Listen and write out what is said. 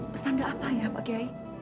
pesan dia apa ya pak kiai